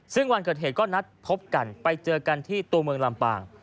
ซึ่งวันเกิดเหตุก็นัดพบกันไปเจอกันที่ตัวเมืองลำปาง